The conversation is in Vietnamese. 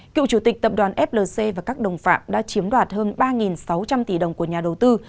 cựu chủ tịch tập đoàn flc và các đồng phạm đã chiếm đoạt hơn ba sáu trăm linh tỷ đồng của nhà đầu tư